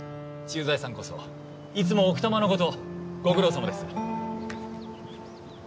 駐在さんこそいつも奥多摩のことをご苦労さまです。